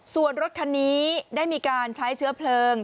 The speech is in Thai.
ส่วนรถคันนี้ได้มีการใช้เชื้อเพลิง